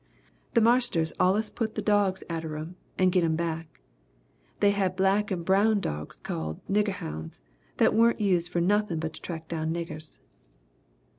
The marsters allus put the dogs atter 'em and git 'em back. They had black and brown dogs called 'nigger hounds' what waren't used for nothin' but to track down niggers.